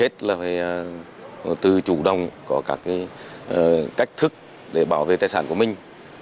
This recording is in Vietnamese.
từ chủ đồng có các cách thức để bảo vệ tài sản của mình